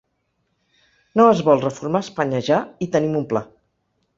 No es vol reformar Espanya ja i tenim un pla.